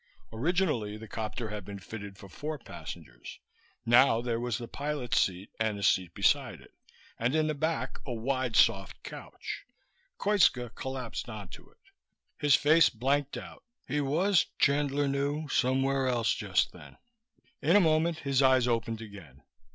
Originally the copter had been fitted for four passengers. Now there was the pilot's seat and a seat beside it, and in the back a wide, soft couch. Koitska collapsed onto it. His face blanked out he was, Chandler knew, somewhere else, just then. In a moment his eyes opened again.